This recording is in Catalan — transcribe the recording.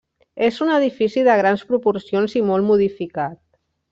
És un edifici de grans proporcions i molt modificat.